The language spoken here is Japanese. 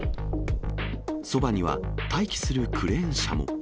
そばには待機するクレーン車も。